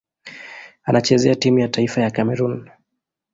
Anachezea timu ya taifa ya Kamerun.